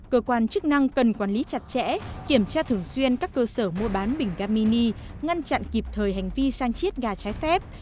cơ quan chức năng cần quản lý chặt chẽ kiểm tra thường xuyên các cơ sở mua bán bình ga mini ngăn chặn kịp thời hành vi sang chiết ga trái phép